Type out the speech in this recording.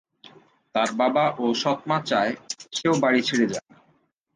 তার বাবা ও সৎ মা চায় সেও বাড়ি ছেড়ে যাক।